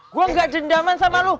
gua nggak dendaman sama lu